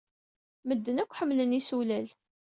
Medden akk ḥemmlen imsullal.